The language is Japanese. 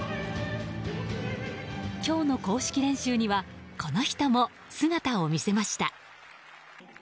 今日の公式練習にはこの人も姿を見せました。